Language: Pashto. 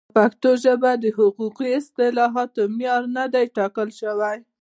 په پښتو ژبه د حقوقي اصطلاحاتو معیار نه دی ټاکل شوی.